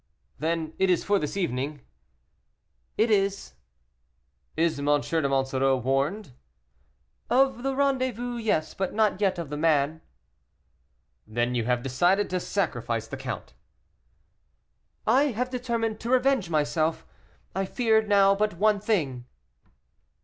"Then it is for this evening?" "It is." "Is M. de Monsoreau warned?" "Of the rendezvous yes; but not yet of the man." "Then you have decided to sacrifice the count?" "I have determined to revenge myself; I fear now but one thing."